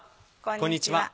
こんにちは。